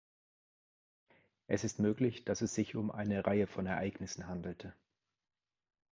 Es ist möglich, dass es sich um eine Reihe von Ereignissen handelte.